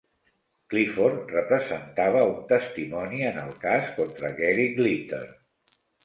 Clifford representava un testimoni en el cas contra Gary Glitter.